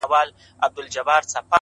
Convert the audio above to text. اوس مي تعويذ له ډېره خروښه چاودي؛